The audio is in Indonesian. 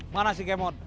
mana si gemat